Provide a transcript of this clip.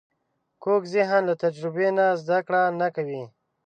کوږ ذهن له تجربې نه زده کړه نه کوي